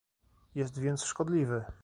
Jest więc szkodliwy